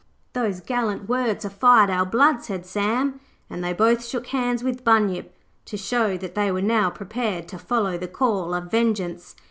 'Those gallant words have fired our blood,' said Sam, and they both shook hands with Bunyip, to show that they were now prepared to follow the call of vengeance.